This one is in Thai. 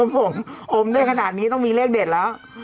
ผมอมได้ขนาดนี้ต้องมีเลขเด็ดแล้ว